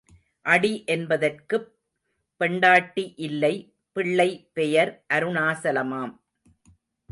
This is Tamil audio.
அடி என்பதற்குப் பெண்டாட்டி இல்லை பிள்ளை பெயர் அருணாசலமாம்.